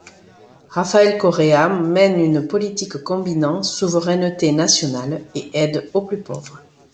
Rafael Correa mène une politique combinant souveraineté nationale et aide aux plus pauvres.